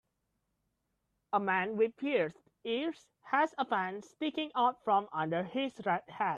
A man with pierced ears has a pen sticking out from under his red hat.